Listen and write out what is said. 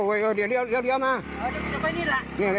เออโอ้เดี๋ยวมาเออเดี๋ยวไปนี่แหละ